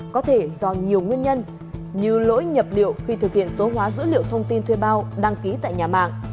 có thể do nhiều nguyên nhân như lỗi nhập liệu khi thực hiện số hóa dữ liệu thông tin thuê bao đăng ký tại nhà mạng